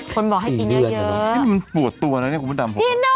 คนบอกให้กินเยอะ